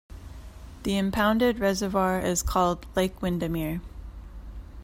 The impounded reservoir is called Lake Windamere.